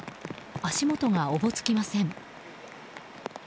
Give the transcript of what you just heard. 足元がおぼつきません。